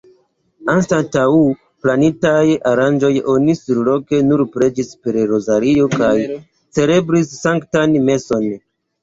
Anstataŭ planitaj aranĝoj oni surloke nur preĝis per rozario kaj celebris sanktan meson.